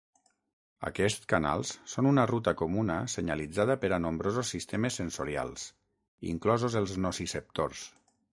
Aquests canals són una ruta comuna senyalitzada per a nombrosos sistemes sensorials, inclosos els nociceptors.